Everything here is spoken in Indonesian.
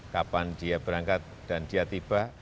kapan dia berangkat dan dia tiba